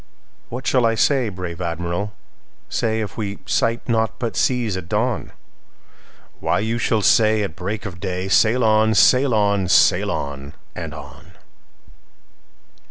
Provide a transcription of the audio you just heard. "What shall I say, brave Admiral, say, If we sight naught but seas at dawn?""Why, you shall say at break of day,'Sail on! sail on! sail on! and on!